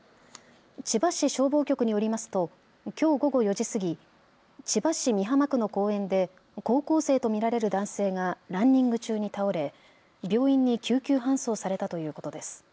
千葉市消防局によりますときょう午後４時過ぎ千葉市美浜区の公園で高校生と見られる男性がランニング中に倒れ、病院に救急搬送されたということです。